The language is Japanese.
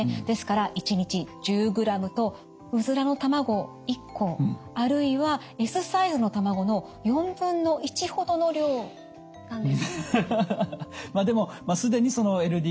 ですから１日１０ｇとうずらの卵１個あるいはＳサイズの卵の４分の１ほどの量なんです。